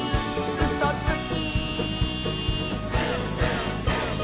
「うそつき！」